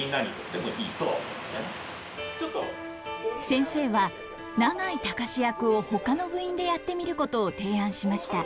先生は永井隆役をほかの部員でやってみることを提案しました。